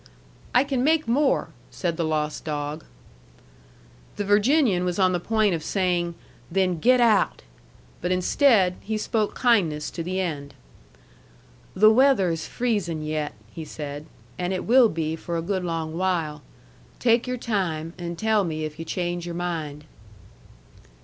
"I can make more," said the lost dog. The Virginian was on the point of saying, "Then get out!" But instead, he spoke kindness to the end. "The weather is freezing yet," he said, "and it will be for a good long while. Take your time, and tell me if yu' change your mind."